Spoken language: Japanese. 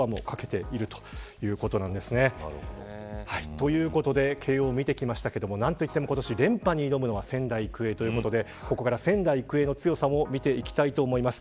ということで慶応を見てきましたが何といっても今年連覇に挑むのは仙台育英ということでここから、仙台育英の強さを見ていきたいと思います。